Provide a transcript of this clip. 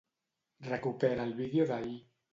Recupera el vídeo d'ahir.